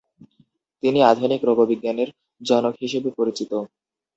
তিনি আধুনিক রোগবিজ্ঞানের জনক হিসেবে পরিচিত।